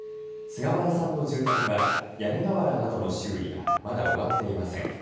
菅原さんの住宅は屋根瓦などの修理がまだ終わっていません。